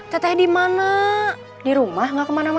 kalau apa nih